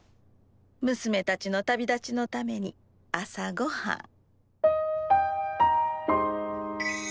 むすめたちの旅立ちのために朝ごはん。